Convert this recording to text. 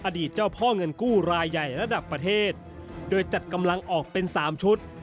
เจ้าพ่อเงินกู้รายใหญ่ระดับประเทศโดยจัดกำลังออกเป็น๓ชุด